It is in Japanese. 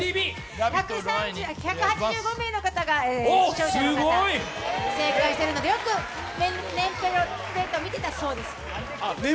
１８５名の方が視聴者正解してるので、よくネームプレート見てたそうです。